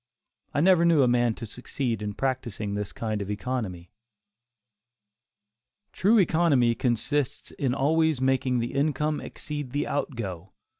I never knew a man to succeed by practising this kind of economy. True economy consists in always making the income exceed the out go.